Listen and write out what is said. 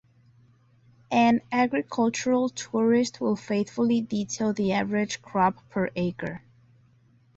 An agricultural tourist will faithfully detail the average crop per acre.